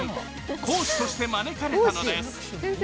講師として招かれたのです。